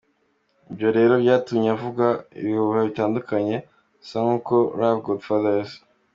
Ibyo rero byatumye avugwaho ibihuha bitandukanye?usa nkuko rapgodfathers.